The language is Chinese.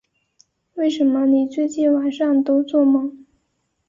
为什么你最近晚上都作梦